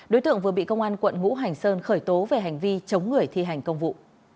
đối tượng vừa bị công an quận ngũ hành sơn khởi tố về hành vi chống người thi hành công vụ